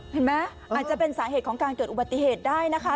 เห็นไหมอาจจะเป็นสาเหตุของการเกิดอุบัติเหตุได้นะคะ